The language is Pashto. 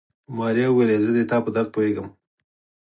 ماريا وويل زه ستا په درد پوهېږم.